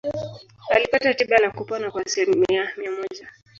Alipata tiba na kupona kwa asilimia mia moja.